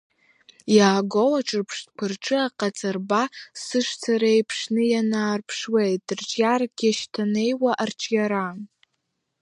Иаагоу аҿырԥштәқәа рҿы аҟаҵарба сышцара иеиԥшны иаанарԥшуеит рҿиарак иашьҭанеиуа арҿиара.